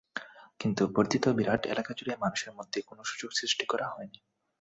কিন্তু বর্ধিত বিরাট এলাকাজুড়ে মানুষের মধ্যে কোনো সুযোগ সৃষ্টি করা হয়নি।